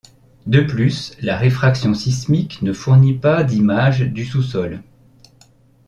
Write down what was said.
De plus, la réfraction sismique ne fournit pas d'image du sous-sol.